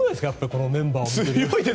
このメンバーを見ると。